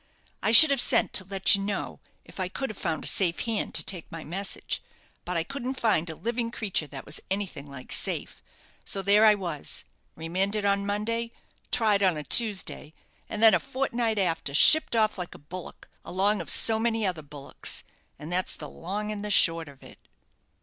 I should have sent to let you know, if I could have found a safe hand to take my message; but I couldn't find a living creature that was anything like safe so there I was, remanded on a Monday, tried on a Tuesday, and then a fortnight after shipped off like a bullock, along of so many other bullocks; and that's the long and the short of it."